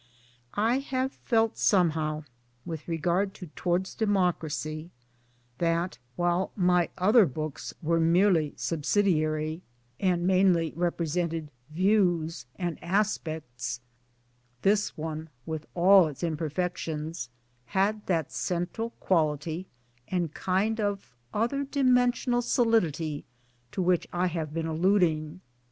I have felt somehow with regard to Towards Democracy that while my other books were merely 192 MY DAYS AND DREAMS subsidiary and mainly represented ' views ' and ' aspects 'this one (with all its imperfections) had that central quality and kind of other dimensional solidity to which I have been alluding